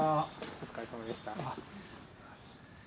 お疲れさまでした。